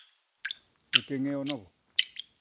E quen é o novo?